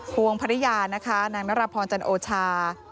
วงภรรยานะคะนางนรพรจันโอชา